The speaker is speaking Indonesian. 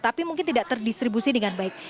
tapi mungkin tidak terdistribusi dengan baik